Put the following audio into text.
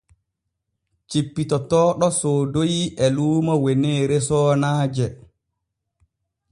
Cippitotooɗo soodoyi e luumo weneere soonaaje.